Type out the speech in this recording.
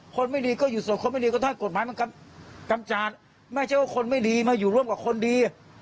คนไม่ดีก็อยู่ส่วนคนไม่ดีก็ถ้ากฎหมายมันกำจัดไม่ใช่ว่าคนไม่ดีมาอยู่ร่วมกับคนดี